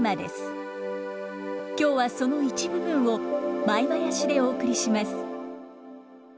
今日はその一部分を舞囃子でお送りします。